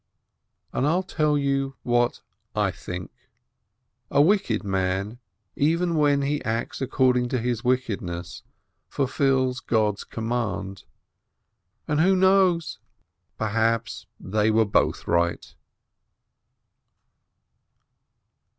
And I'll tell you what I think: A wicked man, even when he acts according to his wickedness, fulfils God's command. And who knows? Perhaps they were both right